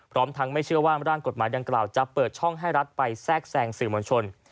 พร้อมทั้งไม่เชื่อว่าร่างกฎหมายดังกล่าวจะเปิดช่องให้รัฐไปแทรกแซงสื่อมวลชน